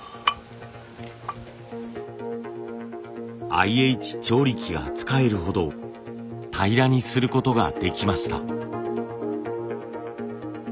ＩＨ調理器が使えるほど平らにすることができました。